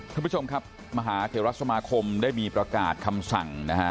ท่านประธานมหาเทวรัฐสมาคมได้มีประกาศคำสั่งนะฮะ